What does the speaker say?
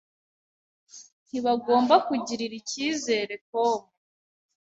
Ntibagomba kugirira ikizere Tom.